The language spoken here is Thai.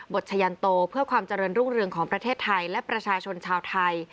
ชะยันโตเพื่อความเจริญรุ่งเรืองของประเทศไทยและประชาชนชาวไทย